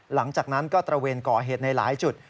หลังจากนั้นก็ตระเวนก่อเหตุในหลายจุด